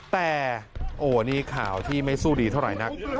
แต่โอ้นี่ข่าวที่ไม่สู้ดีเท่าไหร่นัก